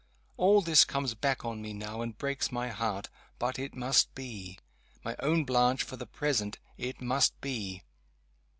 _ All this comes back on me now, and breaks my heart. But it must be! my own Blanche, for the present, it must be!